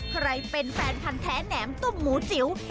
ใครเป็นแฟนพันธ์แท้แหนมต้มหมูจิ๋ว